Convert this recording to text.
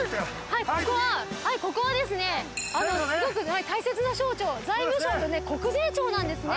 はいここはすごく大切な省庁財務省とね国税庁なんですね。